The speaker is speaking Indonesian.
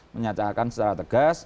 menyatakan secara tegas